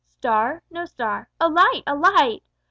_ Star? No star: a Light, a Light!